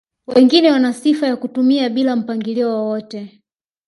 Wengine wana sifa ya kutumia bila mpangilio wowote